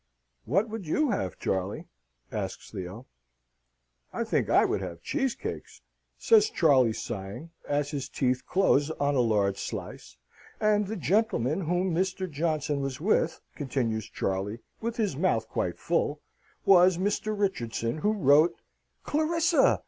"What would you have, Charley?" asks Theo. "I think I would have cheese cakes," says Charley, sighing, as his teeth closed on a large slice, "and the gentleman whom Mr. Johnson was with," continues Charley, with his mouth quite full, "was Mr. Richardson who wrote " "Clarissa!"